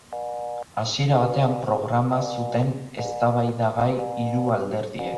Hasiera batean programa zuten eztabaidagai hiru alderdiek.